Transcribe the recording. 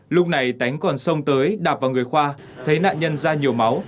lúc này tánh còn sông tới đạp vào người khoa thấy nạn nhân ra nhiều máu